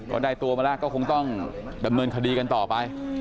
ก็ได้ตัวมาแล้วก็คงต้องดำเนินคดีกันต่อไป